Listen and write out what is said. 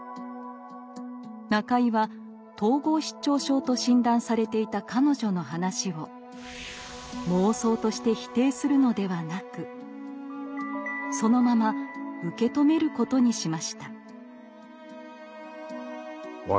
中井は統合失調症と診断されていた彼女の話を「妄想」として否定するのではなくそのまま受け止めることにしました。